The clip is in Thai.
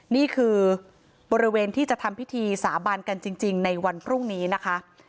นี่คือบริเวณที่จะทำพิธีสาบานกันจริงในวันพรุ่งนี้นะคะ